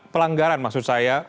pelanggaran maksud saya